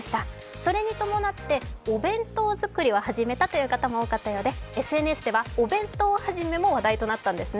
それに伴って、お弁当作りを始めたという方も多かったようで、ＳＮＳではお弁当始めも話題となったんですね。